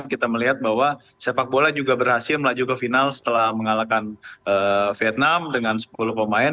kita melihat bahwa sepak bola juga berhasil melaju ke final setelah mengalahkan vietnam dengan sepuluh pemain